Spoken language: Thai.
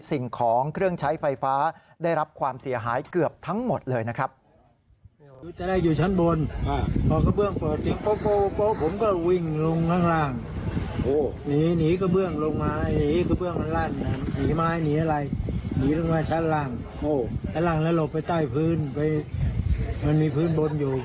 สิ่งของเครื่องใช้ไฟฟ้าได้รับความเสียหายเกือบทั้งหมดเลยนะครับ